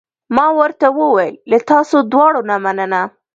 ما ورته وویل: له تاسو دواړو نه مننه.